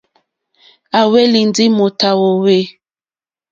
À hwélì ndí mòtà wòòwê.